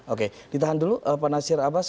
oke ditahan dulu pak nasir abbas